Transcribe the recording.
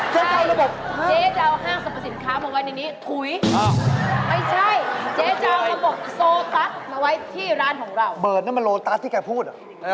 เจ๊จะเอาห้างสรรพสินค้ามาไว้ในนี้ถุย